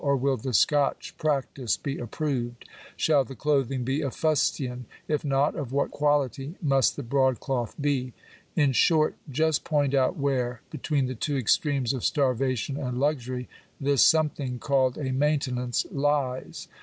or will the Scotch practice be approved ? Shall the clothing be of fustian ? if not, of what quality must the broad cloth be ? In short, just point out where, between the two extremes of starvation and luxury, this something called a maintenance lies."